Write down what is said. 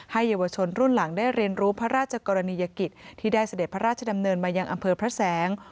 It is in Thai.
เยาวชนรุ่นหลังได้เรียนรู้พระราชกรณียกิจที่ได้เสด็จพระราชดำเนินมายังอำเภอพระแสง